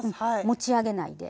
持ち上げないで。